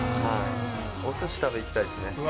お寿司食べに行きたいですね。